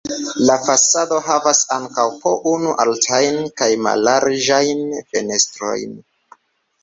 La fasado havas ankaŭ po unu altajn kaj mallarĝajn fenestrojn.